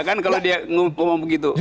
kalau dia ngomong begitu